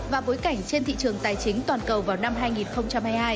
và bối cảnh trên thị trường tài chính toàn cầu vào năm hai nghìn hai mươi hai